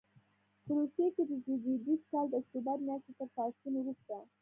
په روسیې کې د زېږدیز کال د اکتوبر میاشتې تر پاڅون وروسته.